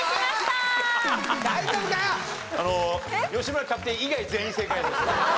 あの吉村キャプテン以外全員正解です。